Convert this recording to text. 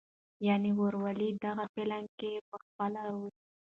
يعنې "وروولي". دغه فلم کښې پخپله روس